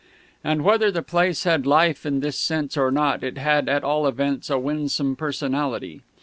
And whether the place had life in this sense or not, it had at all events a winsome personality.